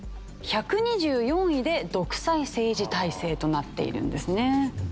１２４位で独裁政治体制となっているんですね。